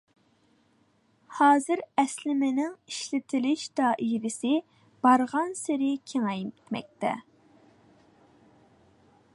ھازىر ئەسلىمىنىڭ ئىشلىتىلىش دائىرىسى بارغانسېرى كېڭەيمەكتە.